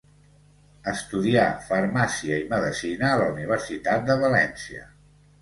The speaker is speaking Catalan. Estudià farmàcia i medicina a la Universitat de València.